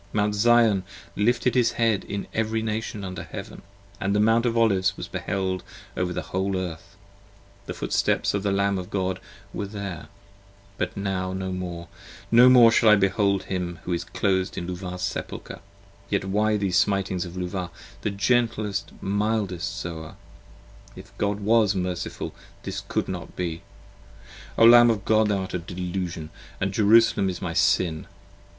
Mount Zion lifted his head in every Nation under heaven: And the Mount of Olives was beheld over the whole Earth. 50 The footsteps of the Lamb of God were there: but now no more, No more shall I behold him, he is clos'd in Luvah's Sepulcher. Yet why these smitings of Luvah, the gentlest mildest Zoa? If God was Merciful this could not be: O Lamb of God, Thou art a delusion and Jerusalem is my Sin!